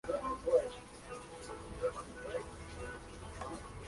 Es el astro más lejano que es posible observar con prismáticos.